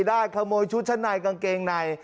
ได้ขโมยชุดชั้นในกางเกงใน